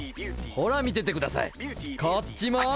ほら見ててくださいこっちも。